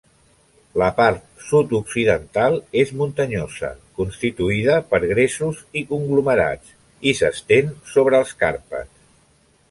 La part sud-occidental és muntanyosa, constituïda per gresos i conglomerats, i s'estén sobre els Carpats.